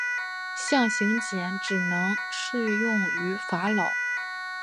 象形茧只能适用于法老。